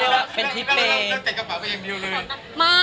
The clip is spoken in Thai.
ต้องเสร็จกระป๋าไปเอ็มเดี้ยวเลย